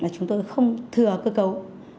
chúng tôi không thừa cơ cấu